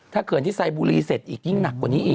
ถ้าเขื่อนที่ไซบุรีเสร็จอีกยิ่งหนักกว่านี้อีก